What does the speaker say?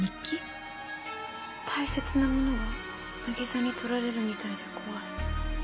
「大切なモノが凪沙に取られるみたいで怖い。